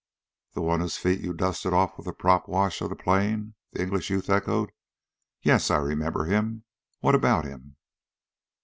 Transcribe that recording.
"The one whose feet you dusted off with the prop wash of the plane?" the English youth echoed. "Yes, I remember him. What about him?"